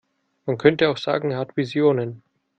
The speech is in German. Man könnte auch sagen, er hat Visionen.